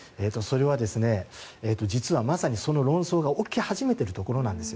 それは実はまさにその論争が起き始めているところなんです。